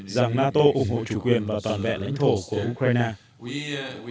rằng nato ủng hộ chủ quyền và toàn vẹn lãnh thổ của ukraine